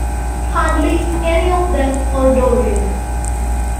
Hardly any of them are Dorian.